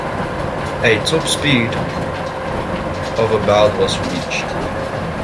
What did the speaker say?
A top speed of about was reached.